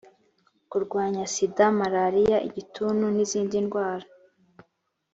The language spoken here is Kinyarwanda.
kurwanya sida malariya igituntu n izindi ndwara